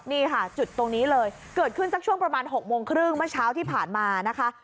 นี่ค่ะจุดตรงนี้เลยเกิดขึ้นสักช่วงประมาณ๖โมงครึ่งเมื่อเช้าที่ผ่านมานะคะ